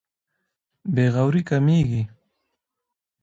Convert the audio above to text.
بې غوري کمېږي.